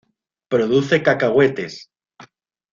Produce cacahuetes.